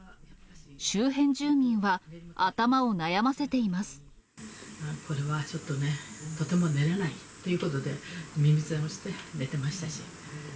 周辺住民は、これはちょっとね、とても寝れないっていうことで、耳栓をして寝てましたし。